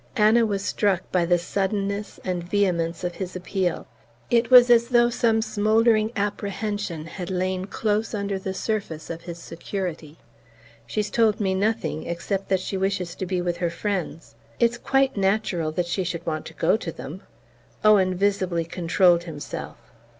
Anna was struck by the suddenness and vehemence of his appeal. It was as though some smouldering apprehension had lain close under the surface of his security. "She's told me nothing except that she wishes to be with her friends. It's quite natural that she should want to go to them." Owen visibly controlled himself.